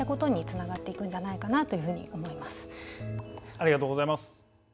ありがとうございます。